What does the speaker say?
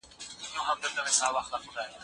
ويل کيږي چي محلي حاکمانو د مغولو تګلاره غوره کړه.